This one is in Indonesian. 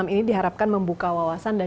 ini diharapkan membuka wawasan dan